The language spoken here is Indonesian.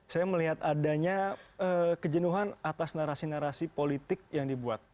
saya melihat adanya kejenuhan atas narasi narasi politik yang dibuat